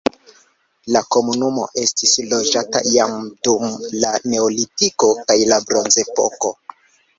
La komunumo estis loĝata jam dum la neolitiko kaj bronzepoko.